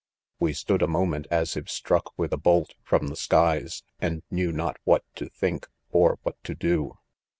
M"e stood a moment as If struck with a bolt from the skies, and knew not what to think, or what to do.